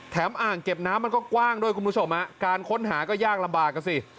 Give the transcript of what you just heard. อ่างเก็บน้ำมันก็กว้างด้วยคุณผู้ชมการค้นหาก็ยากลำบากอ่ะสิ